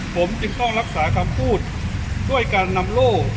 ผมจึงต้องรักษาคำพูดด้วยการนำโล่